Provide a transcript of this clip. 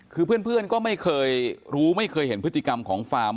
คือเพื่อนก็ไม่เคยรู้ไม่เคยเห็นพฤติกรรมของฟาร์ม